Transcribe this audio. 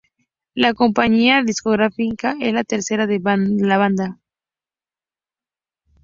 La compañía discográfica es la tercera de la banda.